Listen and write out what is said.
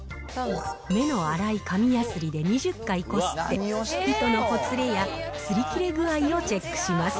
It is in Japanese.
目の粗い紙やすりで２０回こすって、糸のほつれやすり切れ具合をチェックします。